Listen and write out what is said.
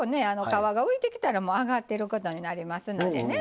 皮が浮いてきたらもう揚がってることになりますのでね